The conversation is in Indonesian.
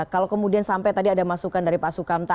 kalau kemudian sampai tadi ada masukan dari pak sukamta